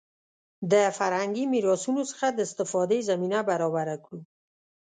د فرهنګي میراثونو څخه د استفادې زمینه برابره کړو.